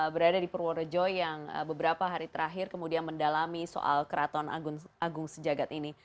berada di purworejo yang beberapa hari terakhir kemudian mendalami soal keraton agung sejagat ini